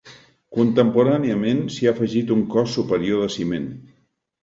Contemporàniament s'hi ha afegit un cos superior de ciment.